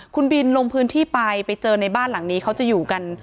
คุณบินลงพื้นที่ไปไปเจอในบ้านหลังนี้เขาจะอยู่กัน